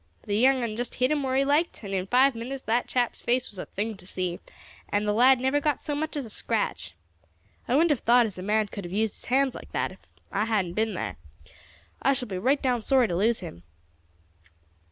The young un just hit him where he liked, and in five minutes that chap's face was a thing to see, and the lad never got so much as a scratch. I wouldn't have thought as a man could have used his hands like that if I hadn't been thar. I shall be right down sorry to lose him."